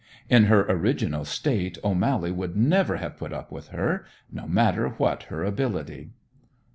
In her original state O'Mally would never have put up with her, no matter what her ability.